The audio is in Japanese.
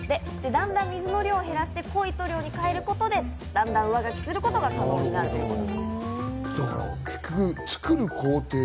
だんだん水の量を減らして、濃い塗料に変えることで段々、上書きすることが可能になるということで。